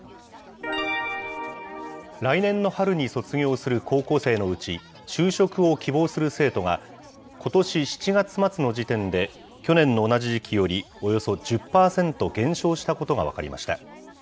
来年の春に卒業する高校生のうち、就職を希望する生徒が、ことし７月末の時点で、去年の同じ時期よりおよそ１０％減少したことが分かりました。